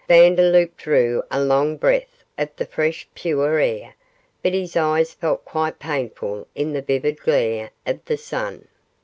Vandeloup drew a long breath of the fresh pure air, but his eyes felt quite painful in the vivid glare of the sun.